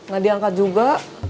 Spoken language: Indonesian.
gak diangkat juga